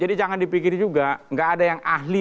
jadi jangan dipikir juga enggak ada yang ahli